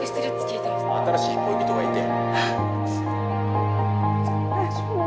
新しい恋人がいて。